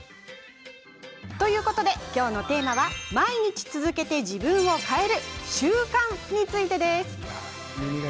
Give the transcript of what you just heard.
ということで、きょうのテーマは毎日続けて、自分を変える習慣について。